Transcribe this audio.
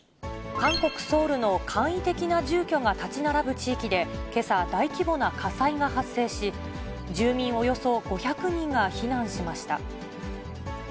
韓国・ソウルの簡易的な住居が建ち並ぶ地域で、けさ、大規模な火災が発生し、住民およそ５００人が避難しました。